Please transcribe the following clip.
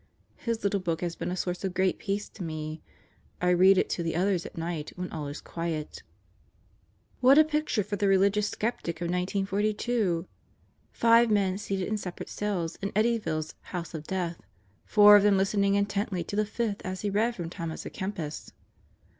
His little book has been a source of great peace to me. I read it to the others at night, when all is quiet." What a picture for the religious skeptic of 1942! Five men seated in separate cells in Eddyville's House of Death; four of them listening intently to the fifth as he read from Thomas a Kempis!